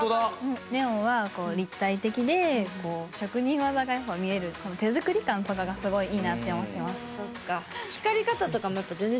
ネオンは立体的で職人技がやっぱ見える手作り感とかがすごいいいなって思ってます。